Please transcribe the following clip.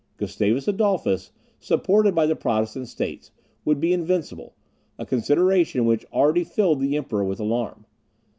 Gustavus Adolphus, supported by the Protestant states, would be invincible; a consideration which already filled the Emperor with alarm.